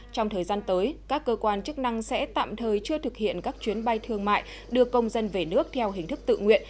trong thời gian tới các cơ quan chức năng sẽ tạm thời chưa thực hiện các chuyến bay thương mại đưa công dân về nước theo hình thức tự nguyện